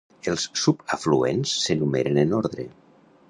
Els subafluents s'enumeren en ordre.